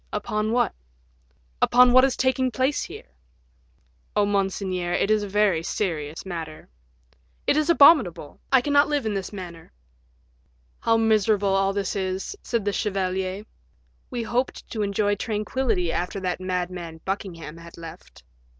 "Upon what?" "Upon what is taking place here." "Oh, monseigneur, it is a very serious matter." "It is abominable! I cannot live in this manner." "How miserable all this is," said the chevalier. "We hoped to enjoy tranquillity after that madman Buckingham had left."